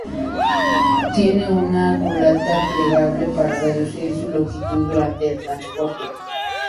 Tiene una culata plegable para reducir su longitud durante el transporte.